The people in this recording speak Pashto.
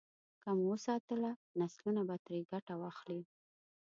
که مو وساتله، نسلونه به ګټه ترې واخلي.